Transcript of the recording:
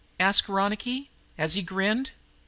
asked Ronicky, as he grinned.